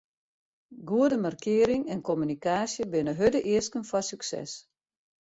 Goede marketing en kommunikaasje binne hurde easken foar sukses.